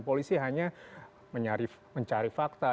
polisi hanya mencari fakta